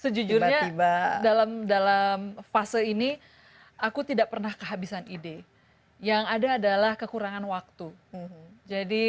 sejujurnya dalam dalam fase ini aku tidak pernah kehabisan ide yang ada adalah kekurangan waktu jadi